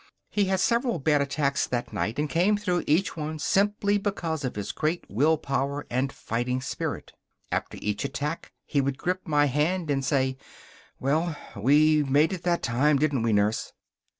He had several bad attacks that night and came through each one simply because of his great will power and fighting spirit. After each attack he would grip my hand and say, "Well, we made it that time, didn't we, nurse?"